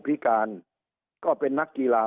สุดท้ายก็ต้านไม่อยู่